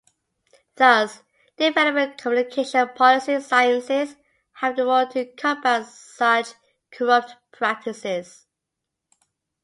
Thus, development communication and policy sciences have the role to combat such corrupt practices.